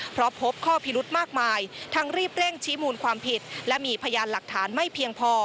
เพราะพบข้อพิรุธมากมายทั้งรีบเร่งชี้มูลความผิดและมีพยานหลักฐานไม่เพียงพอ